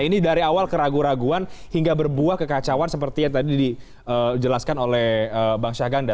ini dari awal keraguan keraguan hingga berbuah kekacauan seperti yang tadi dijelaskan oleh bang syahganda